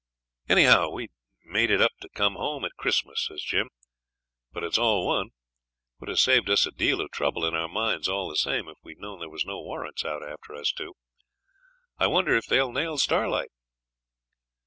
'Anyhow, we'd made it up to come home at Christmas,' says Jim; 'but it's all one. It would have saved us a deal of trouble in our minds all the same if we'd known there was no warrants out after us two. I wonder if they'll nail Starlight.'